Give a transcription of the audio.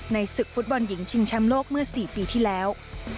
ศึกฟุตบอลหญิงชิงแชมป์โลกเมื่อ๔ปีที่แล้ว